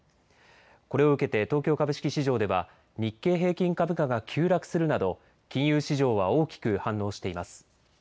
これを受けて東京株式市場では日経平均株価が急落するなど金融市場は大きく反応しています。